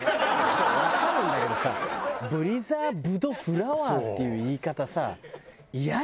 そうわかるんだけどさプリザーブドフラワーっていう言い方さイヤじゃん。